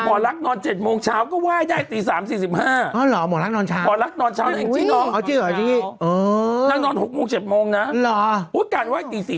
รักนอน๗โมงเช้าก็ไหว้ได้ตี๓๔๕